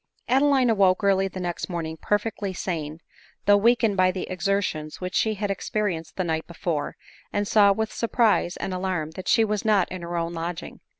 Adeline awoke early the next morning perfectly sane, though weakened by the exertions which she had expe rienced the night before, and saw with surprise and alarm that she was not in her own lodging.